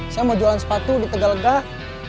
saya mau jualan sepatu di tegalegah